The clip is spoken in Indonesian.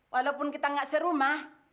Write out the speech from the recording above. walaupun kita nggak serumah